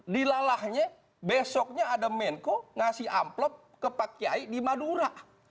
dilalahnya besoknya ada menko ngasih amplop ke pak kiai di madura